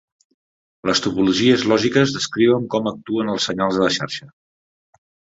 Les topologies lògiques descriuen com actuen els senyals a la xarxa.